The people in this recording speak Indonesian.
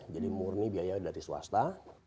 jadi murni biaya dari swasta